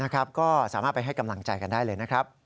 ก็สามารถไปให้กำลังใจกันได้เลยนะครับ